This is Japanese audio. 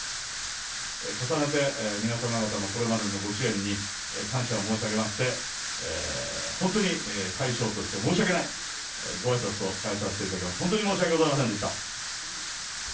重ねて皆様方のこれまでのご支援に、感謝を申し上げまして、本当に大将として申し訳ない、ごあいさつと代えさせていただきます。